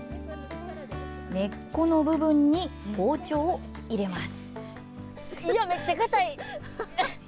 根っこの部分に包丁を入れます。